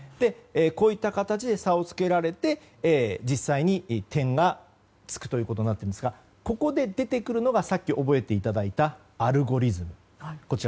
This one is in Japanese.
こういった形で差をつけられて実際に点がつくことになっていますがここで出てくるのがさっき覚えていただいたアルゴリズム。